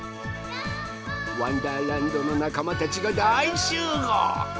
「わんだーらんど」のなかまたちがだいしゅうごう！